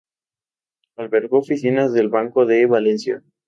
Albergó oficinas del Banco de Valencia.